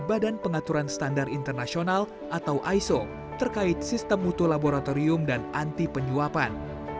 badan pengaturan standar internasional atau iso terkait sistem mutu laboratorium dan anti penyuapan